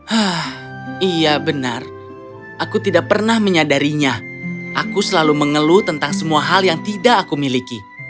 hah iya benar aku tidak pernah menyadarinya aku selalu mengeluh tentang semua hal yang tidak aku miliki